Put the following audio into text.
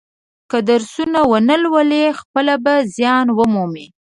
که درسونه و نه لولي خپله به زیان و مومي.